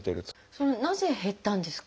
それはなぜ減ったんですか？